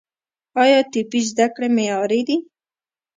آیا طبي زده کړې معیاري دي؟